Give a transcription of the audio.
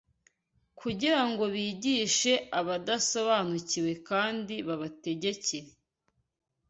kugira ngo bigishe abadasobanukiwe kandi babategekere